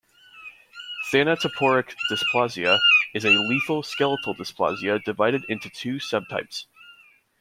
Thanatophoric dysplasia is a lethal skeletal dysplasia divided into two subtypes.